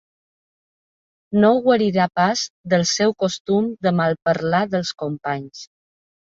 No guarirà pas del seu costum de malparlar dels companys.